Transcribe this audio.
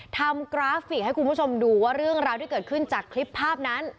กราฟิกให้คุณผู้ชมดูว่าเรื่องราวที่เกิดขึ้นจากคลิปภาพนั้น